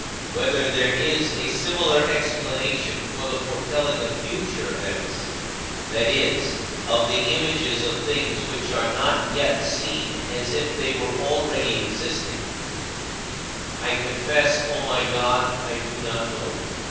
Whether there is a similar explanation for the foretelling of future events that is, of the images of things which are not yet seen as if they were already existing I confess, O my God, I do not know.